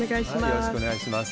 よろしくお願いします。